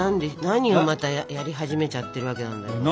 何をまたやり始めちゃってるわけなんだろうね。